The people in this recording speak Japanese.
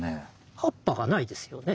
葉っぱがないですよね。